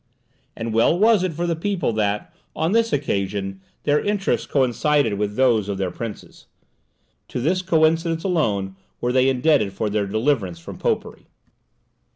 And well was it for the people that, on this occasion, their interests coincided with those of their princes. To this coincidence alone were they indebted for their deliverance from popery.